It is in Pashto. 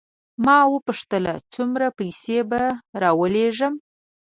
ما وپوښتل څومره پیسې به راولېږم.